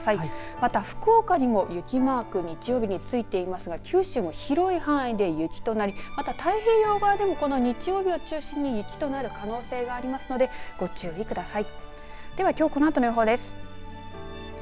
また、福岡にも雪マーク日曜日ついていますが九州も広い範囲で雪となり太平洋側でも日曜日を中心に雪となる可能性がありますのでご注意ください。